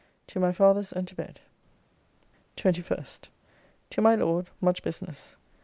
To my father's and to bed. 21st. To my Lord, much business.